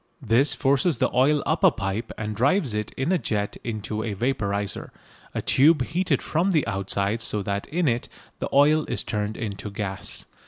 This forces the oil up a pipe and drives it in a jet into a vaporiser, a tube heated from the outside so that in it the oil is turned into gas.